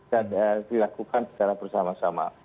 dan dilakukan secara bersama sama